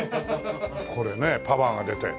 これねパワーが出て。